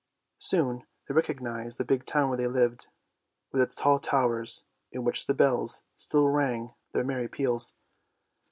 Soon they recognised the big town where they lived, with its tall towers, in which the bells still rang their merry peals.